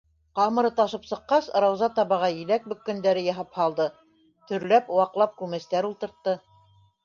Ҡамыры ташып сыҡҡас, Рауза табаға еләк бөккәндәре яһап һалды, төрләп, ваҡлап күмәстәр ултыртты.